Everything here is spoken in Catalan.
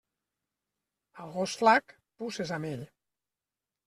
Al gos flac, puces amb ell.